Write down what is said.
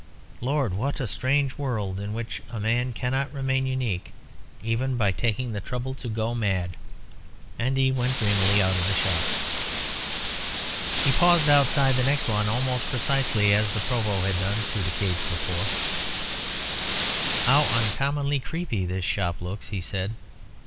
Lord! what a strange world in which a man cannot remain unique even by taking the trouble to go mad!" And he went dreamily out of the shop. He paused outside the next one almost precisely as the Provost had done two decades before. [Illustration: "A FINE EVENING, SIR," SAID THE CHEMIST.] "How uncommonly creepy this shop looks!" he said.